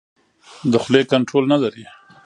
د خولې کنټرول نه لري.